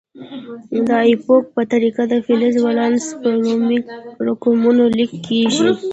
د ایوپاک په طریقه د فلز ولانس په رومي رقمونو لیکل کیږي.